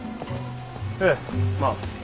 ええまあ。